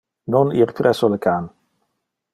Non ir presso le can.